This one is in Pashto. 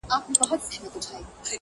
ژوندی انسان و حرکت ته حرکت کوي”